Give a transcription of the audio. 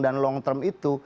dan long term itu